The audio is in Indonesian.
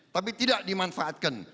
tapi tidak dimanfaatkan